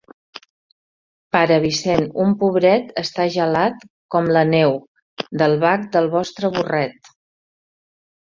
Pare Vicent, un pobret està gelat com la neu, del bac del vostre burret.